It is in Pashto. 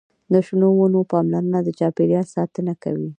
د شنو ونو پاملرنه د چاپیریال ساتنه کوي.